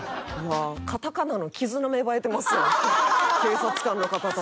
カタカナの「キズナ」芽生えてますやん警察官の方たちと。